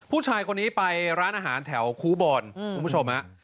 ผู้ชายคนนี้ไปร้านอาหารแถวคูบอลคุณผู้ชมฮะ